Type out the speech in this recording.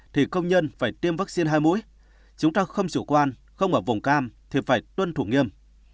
thì công nhân phải tiêm vaccine hai mũi chúng ta không chủ quan không ở vùng cam thì phải tuân thủ nghiêm